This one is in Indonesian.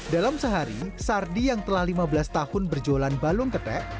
dalam sehari sardi yang telah lima belas tahun berjualan balung ketek